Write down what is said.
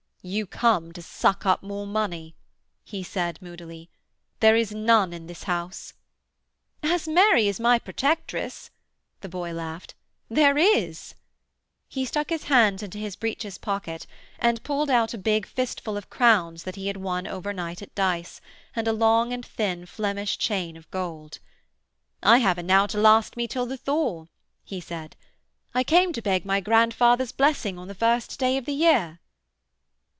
'You come to suck up more money,' he said moodily. 'There is none in this house.' 'As Mary is my protectress!' the boy laughed, 'there is!' He stuck his hands into his breeches pocket and pulled out a big fistful of crowns that he had won over night at dice, and a long and thin Flemish chain of gold. 'I have enow to last me till the thaw,' he said. 'I came to beg my grandfather's blessing on the first day of the year.'